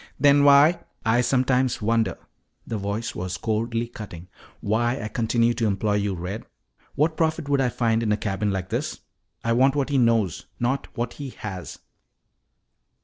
"Then why " "I sometimes wonder," the voice was coldly cutting, "why I continue to employ you, Red. What profit would I find in a cabin like this? I want what he knows, not what he has."